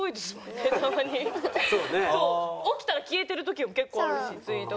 起きたら消えてる時も結構あるしツイートが。